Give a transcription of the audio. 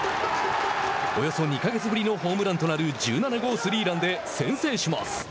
およそ２か月ぶりのホームランとなる１７号スリーランで先制します。